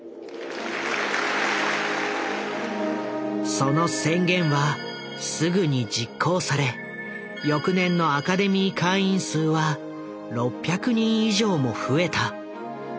その宣言はすぐに実行され翌年のアカデミー会員数は６００人以上も増えた。